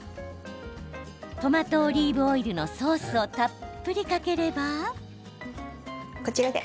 トマトオリーブオイルのソースをたっぷりかければ。